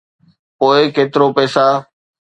پوء ڪيترو پئسا؟